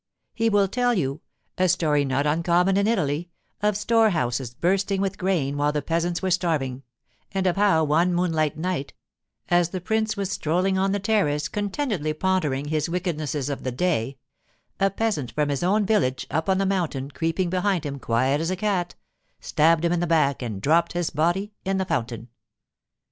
He will tell you—a story not uncommon in Italy—of storehouses bursting with grain while the peasants were starving, and of how, one moonlight night, as the prince was strolling on the terrace contentedly pondering his wickednesses of the day, a peasant from his own village up on the mountain, creeping behind him, quiet as a cat, stabbed him in the back and dropped his body in the fountain.